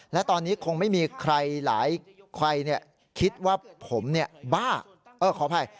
และตอนนี้คงไม่มีใครหลายใครคิดว่าผมเนี่ยบ้าขออภัย